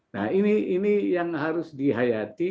nah ini yang harus dihayati